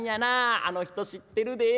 あの人知ってるでえ。